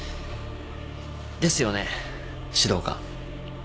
ですよね指導官。